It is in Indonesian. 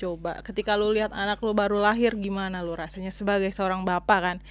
coba ketika lo lihat anak lo baru lahir gimana lo rasanya sebagai seorang bapak kan